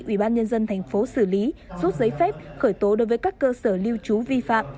ủy ban nhân dân thành phố xử lý rút giấy phép khởi tố đối với các cơ sở lưu trú vi phạm